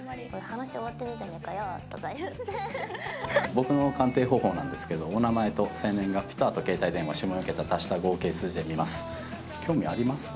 僕の鑑定方法なんですけどお名前と生年月日とあと携帯電話下４桁足した合計数字で見ます。